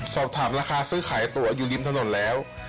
สอบถามราคาซื้อขายตัวอยู่ริมถนนแล้ว